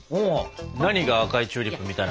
何が「赤いチューリップみたい」なんだろうね？